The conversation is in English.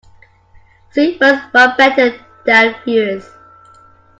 Sweet words work better than fierce.